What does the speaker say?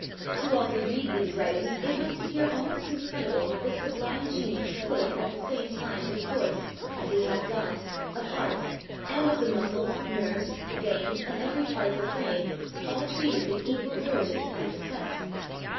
To all who read these writings it must appear almost incredible that this sublime genius could, at the same time, discourse, as he has done, of art, and of the muscles, nerves, veins, and every part of the frame, all treated with equal diligence and success.